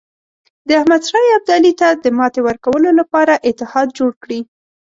د احمدشاه ابدالي ته د ماتې ورکولو لپاره اتحاد جوړ کړي.